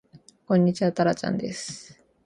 こんにちはたらちゃんです